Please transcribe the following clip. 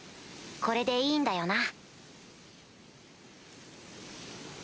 これでいいんだよな？